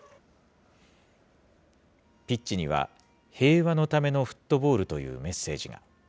ピッチには平和のためのフットボールというメッセージが。